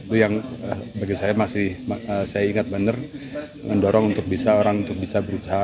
itu yang bagi saya masih saya ingat benar mendorong untuk bisa orang untuk bisa berusaha